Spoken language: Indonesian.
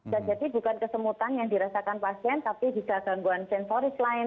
dan jadi bukan kesemutan yang dirasakan pasien tapi bisa gangguan sensoris lah